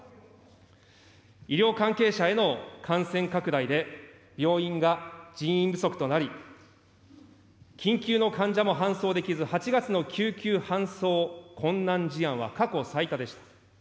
医療関係者への感染拡大で、病院が人員不足となり、緊急の患者も搬送できず、８月の救急搬送困難事案は過去最多でした。